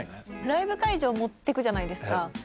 ライブ会場に持ってくじゃないですか。